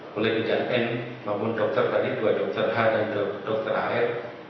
mulai bidan n maupun dokter tadi dua dokter h dan dokter r